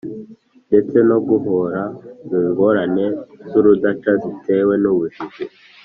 ndetse no guhora mu ngorane z’urudaca zitewe n’ubujiji,